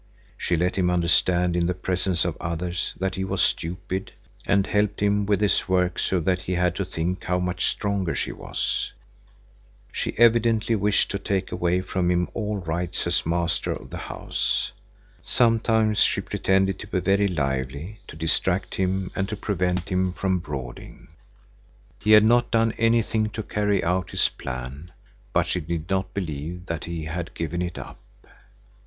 She let him understand in the presence of others that he was stupid, and helped him with his work so that he had to think how much stronger she was. She evidently wished to take away from him all rights as master of the house. Sometimes she pretended to be very lively, to distract him and to prevent him from brooding. He had not done anything to carry out his plan, but she did not believe that he had given it up.